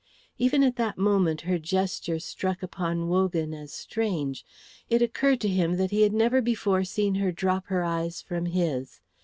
Even at that moment her gesture struck upon Wogan as strange. It occurred to him that he had never before seen her drop her eyes from his.